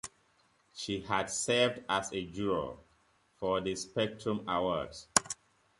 She has served as a juror for the Spectrum Awards.